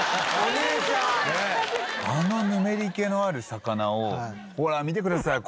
あのヌメリけのある魚を「ほら見てください。